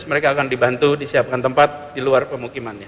mereka akan dibantu disiapkan tempat di luar pemukimannya